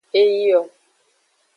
Eyio.